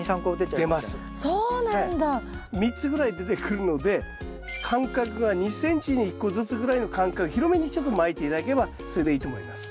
３つぐらい出てくるので間隔が２ｃｍに１個ずつぐらいの間隔広めにちょっとまいて頂ければそれでいいと思います。